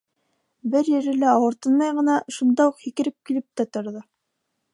Бер ере лә ауыртынмай ғына шунда уҡ һикереп килеп тә торҙо.